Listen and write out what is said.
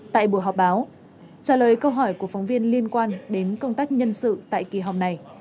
tại buổi họp báo trả lời câu hỏi của phóng viên liên quan đến công tác nhân sự tại kỳ họp này